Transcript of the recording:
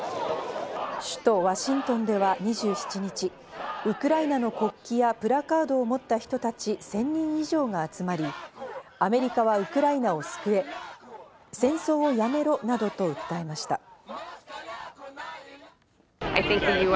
首都・ワシントンでは２７日、ウクライナの国旗やプラカードを持った人たち１０００人以上が集まり、アメリカはウクライナを救え、戦争をやめろなどと訴えました。